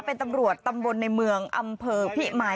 เป็นตำรวจตำบลในเมืองอำเภอพิมาย